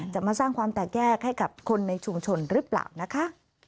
จะมาสร้างความแตกแยกให้กับคนในชุมชนหรือเปล่านะคะ